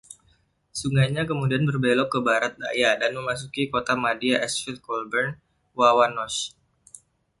Sungainya kemudian berbelok ke barat daya dan memasuki kota madya Ashfield-Colborne-Wawanosh.